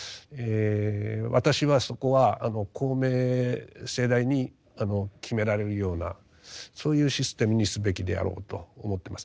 私はそこは公明正大に決められるようなそういうシステムにすべきであろうと思ってます。